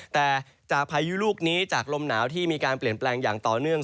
แต่จากพายุลูกนี้จากลมหนาวที่มีการเปลี่ยนแปลงอย่างต่อเนื่อง